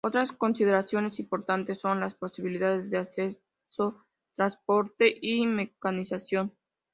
Otras consideraciones importantes son las posibilidades de acceso, transporte y mecanización.